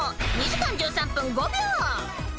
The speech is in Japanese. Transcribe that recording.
［２時間１３分５秒］